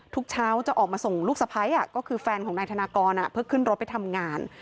ทุกเช้าจะออกมาส่งลูกสะพ้ายก็คือแฟนของนายธนากรเพื่อขึ้นรถไปทำงาน